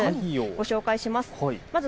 ご紹介します。